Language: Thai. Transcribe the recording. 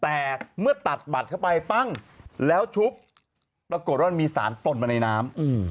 แต่เมื่อตัดบัตรเข้าไปปั้งแล้วชุบปรากฏว่ามันมีสารปล่นมาในน้ำ